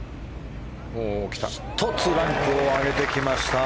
１つランクを上げてきました。